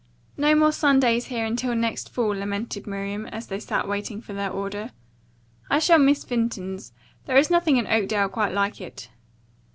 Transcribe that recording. "No more sundaes here until next fall," lamented Miriam, as they sat waiting for their order. "I shall miss Vinton's. There is nothing in Oakdale quite like it."